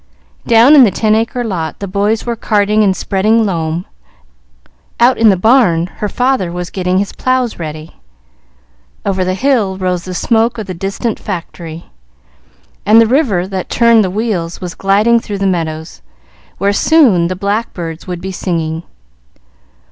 Down in the ten acre lot the boys were carting and spreading loam; out in the barn her father was getting his plows ready; over the hill rose the smoke of the distant factory, and the river that turned the wheels was gliding through the meadows, where soon the blackbirds would be singing.